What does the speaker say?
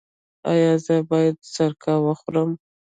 ایا زه باید سرکه وخورم؟